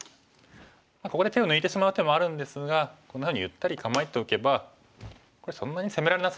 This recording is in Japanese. ここで手を抜いてしまう手もあるんですがこんなふうにゆったり構えておけばこれそんなに攻められなさそうですよね。